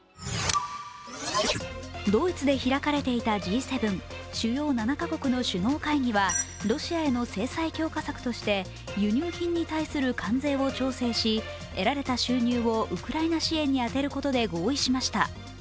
ドイツで開かれていたＧ７＝主要７か国の首脳会議はロシアへの制裁強化策として輸入品に対する関税を調整し得られた収入をウクライナ支援に充てることで合意しました。